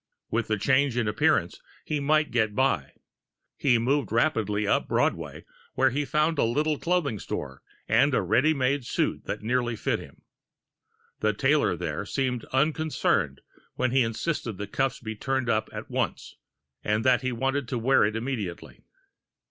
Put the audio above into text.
With the change in appearance, he might get by. He moved rapidly up to Broadway, where he found a little clothing store and a ready made suit that nearly fitted him. The tailor there seemed unconcerned when he insisted the cuffs be turned up at once, and that he wanted to wear it immediately.